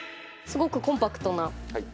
すごくコンパクトな。